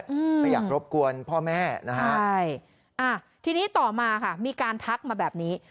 อืมไม่อยากรบกวนพ่อแม่นะฮะใช่อ่าทีนี้ต่อมาค่ะมีการทักมาแบบนี้